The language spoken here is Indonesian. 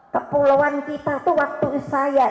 kepulauan kita itu waktu saya